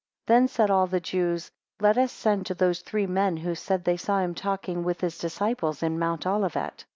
6 Then said all the Jews, Let us send to those three men, who said they saw him talking with his disciples in mount Olivet.